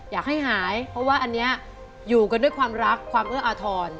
อยากให้หายเพราะว่าอันนี้อยู่กันด้วยความรักความเอื้ออาทร